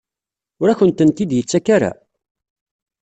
Ur akent-tent-id-yettak ara?